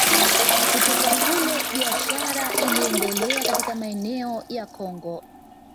Kutoka kule biashara iliendelea katika maeneo ya Kongo